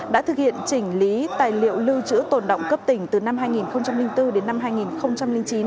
đã thực hiện chỉnh lý tài liệu lưu trữ tổn động cấp tỉnh từ năm hai nghìn bốn đến năm hai nghìn chín